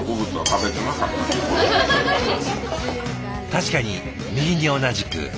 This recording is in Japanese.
確かに右に同じく。